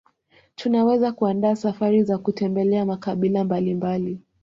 Tunaweza kuandaa safari za kutembelea makabila mbalimbali